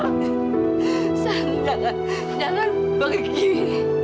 tante jangan jangan begitu